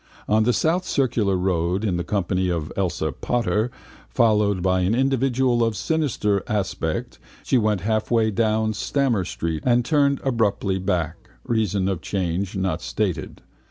On the South Circular road in the company of Elsa Potter, followed by an individual of sinister aspect, she went half way down Stamer street and turned abruptly back (reason of change not stated).